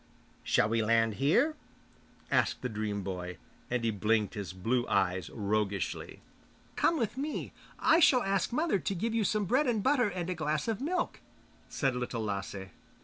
'Shall we land here?' asked the dream boy, and he blinked his blue eyes roguishly. 'Come with me, and I shall ask mother to give you some bread and butter and a glass of milk,' said Little Lasse.